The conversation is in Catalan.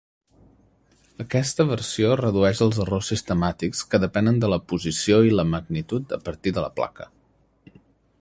Aquesta versió redueix els errors sistemàtics que depenen de la posició i la magnitud a partir de la placa.